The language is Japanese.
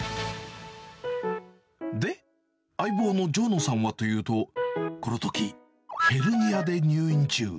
で、相棒の城野さんはというと、このとき、ヘルニアで入院中。